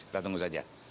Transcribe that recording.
kita tunggu saja